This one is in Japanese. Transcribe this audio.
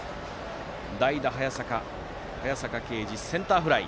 代打、早坂慶士はセンターフライ。